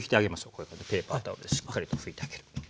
こういうふうにペーパータオルでしっかりと拭いてあげる。